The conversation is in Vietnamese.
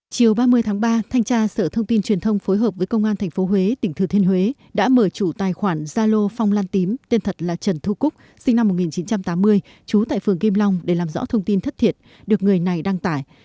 chiều ba mươi tháng ba thanh tra sở thông tin truyền thông phối hợp với công an tp huế tỉnh thừa thiên huế đã mở chủ tài khoản zalo phong lan tím tên thật là trần thu cúc sinh năm một nghìn chín trăm tám mươi trú tại phường kim long để làm rõ thông tin thất thiệt được người này đăng tải